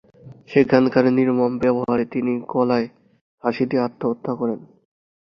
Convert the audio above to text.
সেখানকার নির্মম ব্যবহারে তিনি গলায় ফাঁসি দিয়ে আত্মহত্যা করেন।